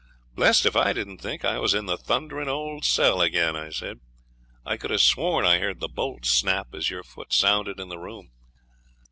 'Blest if I didn't think I was in the thundering old cell again,' I said. 'I could have sworn I heard the bolt snap as your foot sounded in the room.'